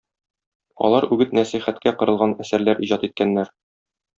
Алар үгет-нәсыйхәткә корылган әсәрләр иҗат иткәннәр.